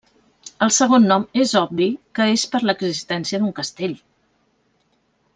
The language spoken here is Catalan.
El segon nom és obvi que és per l'existència d'un castell.